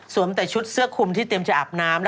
แต่ชุดเสื้อคุมที่เตรียมจะอาบน้ำ